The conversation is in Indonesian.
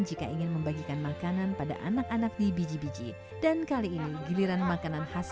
jika ingin membagikan makanan pada anak anak di biji biji dan kali ini giliran makanan khas